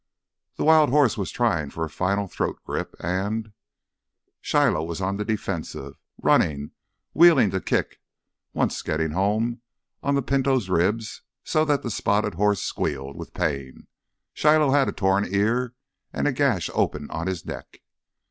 The wild horse was trying for a final throat grip, and Shiloh was on the defensive, running, wheeling to kick, once getting home on the Pinto's ribs so that the spotted horse squealed with pain. Shiloh had a torn ear and a gash open on his neck.